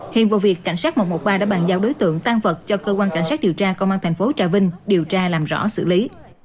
hiện vụ việc cảnh sát một trăm một mươi ba đã bàn giao đối tượng tan vật cho cơ quan cảnh sát điều tra công an thành phố trà vinh điều tra làm rõ xử lý